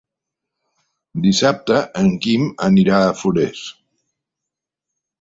Dissabte en Quim anirà a Forès.